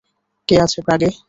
কে আছে প্রাগে?